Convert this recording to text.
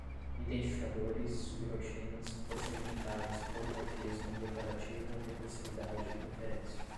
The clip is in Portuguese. identificadores, sub-rotinas, procedimentais, polimorfismo, declarativa, recursividade, inferência